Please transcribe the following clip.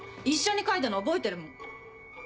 一緒に描いたの覚えてるもん。